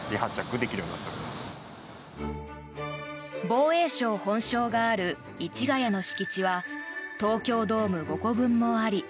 防衛省本省がある市ヶ谷の敷地は東京ドーム５個分もあり